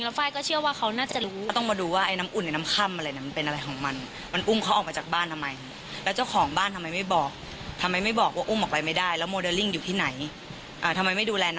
แล้วไฟล์ก็เชื่อว่าเขาน่าจะรู้